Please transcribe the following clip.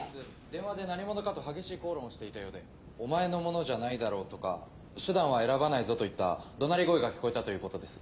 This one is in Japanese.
電話で何者かと激しい口論をしていたようで「お前のものじゃないだろ」とか「手段は選ばないぞ」といった怒鳴り声が聞こえたということです。